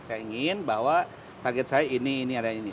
saya ingin bahwa target saya ini ini ada ini